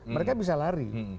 mereka bisa lari